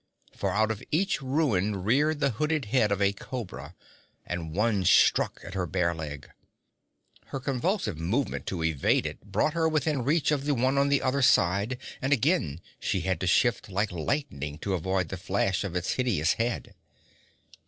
For out of each ruin reared the hooded head of a cobra, and one struck at her bare leg. Her convulsive movement to evade it brought her within reach of the one on the other side and again she had to shift like lightning to avoid the flash of its hideous head.